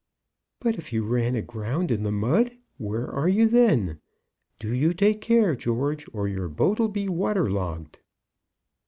"But if you ran aground in the mud, where are you then? Do you take care, George, or your boat 'll be water logged."